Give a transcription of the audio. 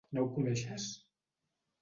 No ho coneixes?